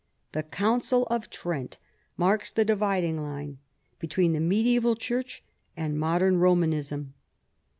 The Council of Trent marks the divid ing line between the mediaeval Church and modern Romanism.